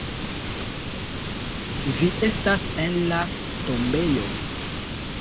Vi estas en la tombejo.